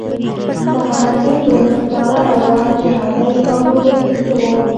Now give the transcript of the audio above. سهارنۍ دولس ډالره وه چې هګۍ او ډوډۍ پکې وه